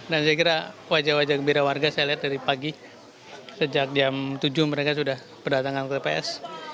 dan saya kira wajah wajah gembira warga saya lihat dari pagi sejak jam tujuh mereka sudah berdatangan ke tps